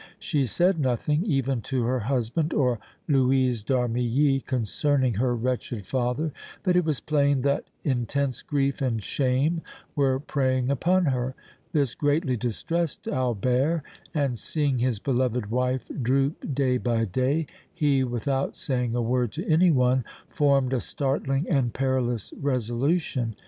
She said nothing, even to her husband or Louise d' Armilly, concerning her wretched father, but it was plain that intense grief and shame were preying upon her. This greatly distressed Albert and, seeing his beloved wife droop day by day, he, without saying a word to any one, formed a startling and perilous resolution.